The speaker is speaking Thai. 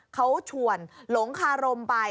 เขาชวนหลงคารมไป